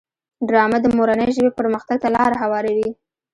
ډرامه د مورنۍ ژبې پرمختګ ته لاره هواروي